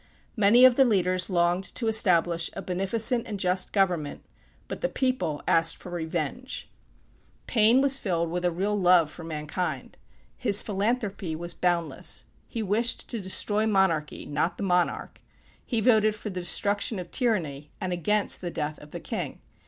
Many of the leaders longed to establish a beneficent and just government, but the people asked for revenge. Paine was filled with a real love for mankind. His philanthrophy was boundless. He wished to destroy monarchy not the monarch. He voted for the destruction of tyranny, and against the death of the king.